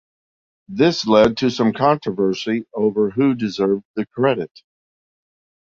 This led to some controversy over who deserved the credit.